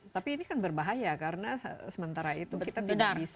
tapi ini kan berbahaya karena sementara itu kita tidak bisa